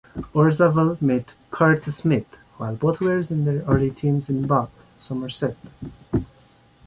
Orzabal met Curt Smith while both were in their early teens in Bath, Somerset.